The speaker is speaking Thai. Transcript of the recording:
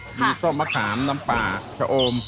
ครับมีส้มมะขามน้ำปลาชะอม